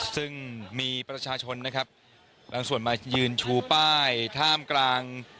ซึ่งมีประชาชนนะครับบางส่วนมายืนชูป้ายท่ามกลาง